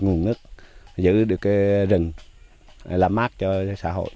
nguồn nước giữ được rừng làm mát cho xã hội